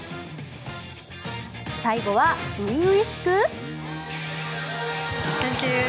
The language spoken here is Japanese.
最後は初々しく。